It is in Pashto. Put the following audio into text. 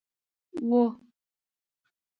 وه